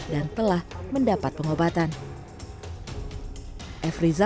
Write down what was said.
dan telah mendapatkan video yang menarik dari media sosial